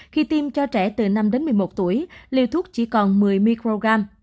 khi tiêm cho trẻ từ năm một mươi một tuổi liều thuốc chỉ còn một mươi microgram